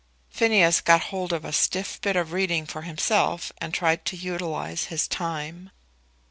Phineas got hold of a stiff bit of reading for himself, and tried to utilise his time.